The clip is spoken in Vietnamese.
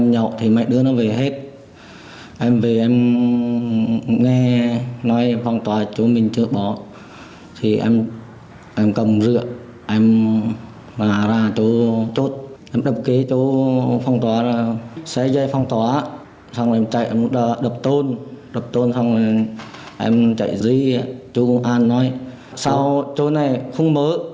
chúng tôi đã chạy dưới chỗ công an nói sau chỗ này không mở